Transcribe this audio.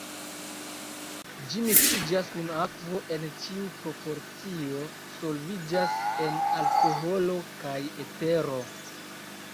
Ĝi miksiĝas kun akvo en ĉiu proporcio, solviĝas en alkoholo kaj etero.